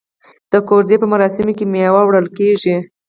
د کوژدې په مراسمو کې میوه وړل کیږي.